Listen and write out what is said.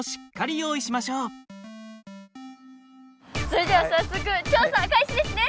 それでは早速調査開始ですね。